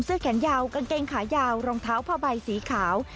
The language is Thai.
แขนยาวกางเกงขายาวรองเท้าผ้าใบสีขาว